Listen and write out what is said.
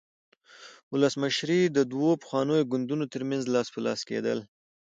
ولسمشري د دوو پخوانیو ګوندونو ترمنځ لاس په لاس کېدل.